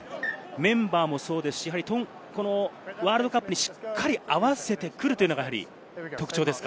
メンバーもそうですし、ワールドカップにしっかり合わせてくるというのが特徴ですか？